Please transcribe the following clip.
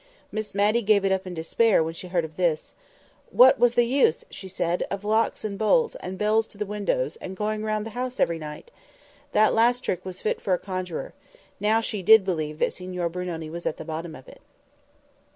Miss Matty gave it up in despair when she heard of this. "What was the use," said she, "of locks and bolts, and bells to the windows, and going round the house every night? That last trick was fit for a conjuror. Now she did believe that Signor Brunoni was at the bottom of it."